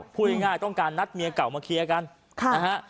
พูดง่ายต้องการนัดเมียเก่ามาเคลียร์กันนะฮะ